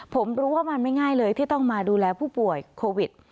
ผมรู้ว่ามันไม่ง่ายเลยที่ต้องมาดูแลผู้ป่วยโควิด